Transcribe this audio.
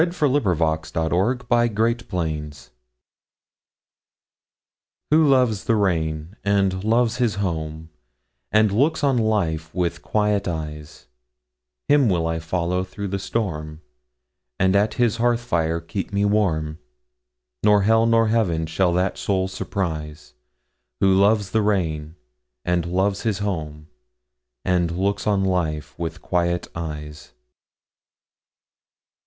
Who Loves the Rain By Frances Shaw WHO loves the rainAnd loves his home, And looks on life with quiet eyes, Him will I follow through the storm; And at his hearth fire keep me warm; Nor hell nor heaven shall that soul surprise, Who loves the rain, And loves his home, And looks on life with quiet eyes.